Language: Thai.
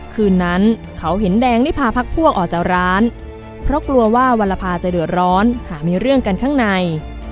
คืนนั้นเขาเห็นแดงได้พาพักพวกออกจากร้านเพราะกลัวว่าวรภาจะเดือดร้อนหามีเรื่องกันข้างใน